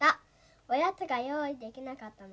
おやつがよういできなかったの。